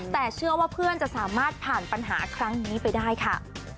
แต่เชื่อว่าเพื่อนจะสามารถผ่านปัญหาครั้งนี้ไปได้ค่ะ